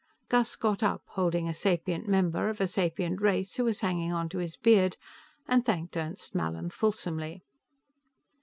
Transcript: Gus got up, holding a sapient member of a sapient race who was hanging onto his beard, and thanked Ernst Mallin fulsomely.